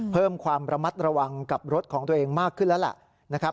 เพิ่มความระมัดระวังกับรถของตัวเองมากขึ้นแล้วล่ะ